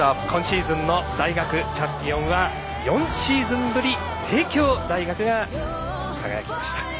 今シーズンの大学チャンピオンは４シーズンぶり帝京大学が輝きました。